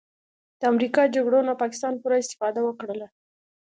د امریکا جګړو نه پاکستان پوره استفاده وکړله